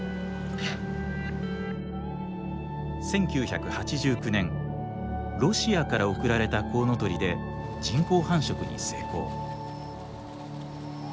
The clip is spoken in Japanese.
１９８９年ロシアから送られたコウノトリで人工繁殖に成功。